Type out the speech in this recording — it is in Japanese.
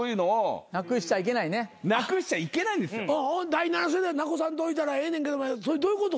第７世代なくさんといたらええねんけどもそれどういうこと？